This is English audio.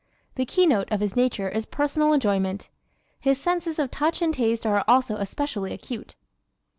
The keynote of his nature is personal enjoyment. His senses of touch and taste are also especially acute.